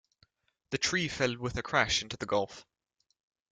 The tree fell with a crash into the gulf.